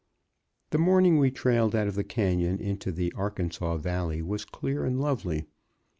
The morning we trailed out of the canyon into the Arkansas Valley was clear and lovely.